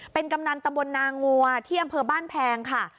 เป็นกำนันตำบลนางัวที่อำเภอบ้านแพงค่ะ